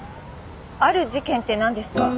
「ある事件」ってなんですか？